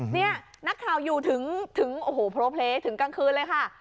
นี่นักข่าวอยู่ถึงโอ้โหโพลเพลย์ถึงกลางคืนเลยค่ะ